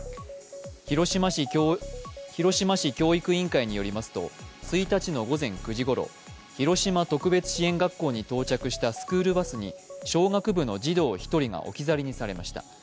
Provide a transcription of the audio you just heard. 広島市教育委員会によりますと１日の午前９時ごろ、広島特別支援学校に到着したスクールバスに小学部の児童１人が置き去りにされました。